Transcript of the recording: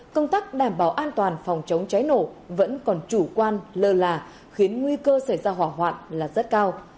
các đảm bảo an toàn phòng chống cháy nổ vẫn còn chủ quan lờ là khiến nguy cơ xảy ra hỏa hoạn là rất cao